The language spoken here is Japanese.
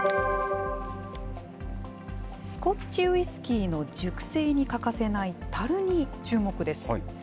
スコッチウイスキーの熟成に欠かせないタルに注目です。